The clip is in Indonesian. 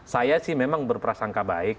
saya sih memang berprasangka baik